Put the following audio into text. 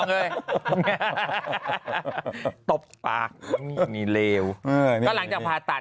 ตบปากมีเลวก็หลังจากผ่าตัด